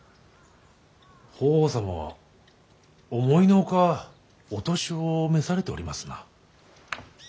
法皇様は思いの外お年を召されておりますな。